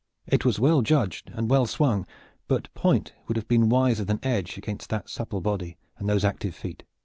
It was well judged and well swung, but point would have been wiser than edge against that supple body and those active feet.